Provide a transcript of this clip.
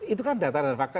itu kan data dan fakta